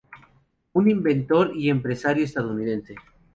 Un inventor y empresario estadounidense.